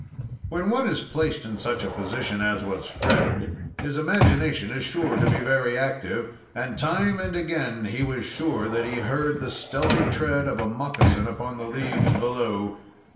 When one is placed in such a position as was Fred, his imagination is sure to be very active, and, time and again, he was sure that he heard the stealthy tread of a moccasin upon the leaves below.